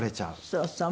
そうそう。